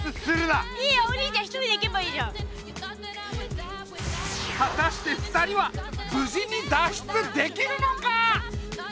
はたして二人はぶじに脱出できるのか？